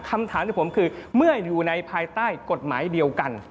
คำถามที่ผมคือเมื่ออยู่ในภายใต้กฎหมายเดียวกัน